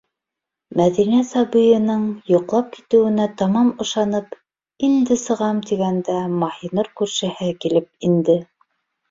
Мәҙинә сабыйының йоҡлап китеүенә тамам ышанып, инде сығам тигәндә Маһинур күршеһе килеп инде.